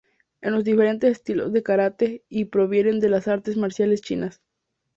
En los diferentes estilos de karate, y provienen de las artes marciales chinas.